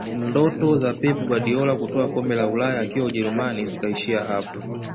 ndoto za pep guardiola kutwaa kombe la ulaya akiwa ujerumani zikaishia hapo